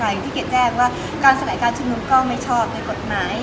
อย่างที่เกดแจ้งว่าการสลายการชุมนุมก็ไม่ชอบในกฎหมาย